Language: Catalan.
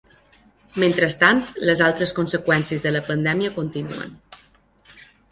Mentrestant, les altres conseqüències de la pandèmia continuen.